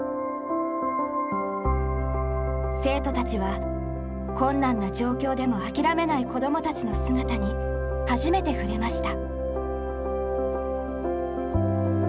生徒たちは困難な状況でも諦めない子供たちの姿に初めて触れました。